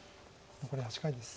残り８回です。